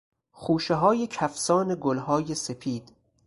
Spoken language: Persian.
خوشههای کفسان گلهای سپید